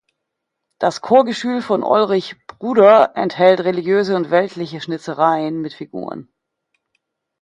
Das Chorgestühl von Ulrich Bruder enthält religiöse und weltliche Schnitzereien mit Figuren.